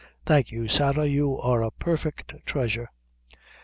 "Thank you, Sarah; you are a perfect treasure."